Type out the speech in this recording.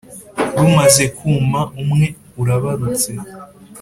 Rumaze kuma umwe urabarutse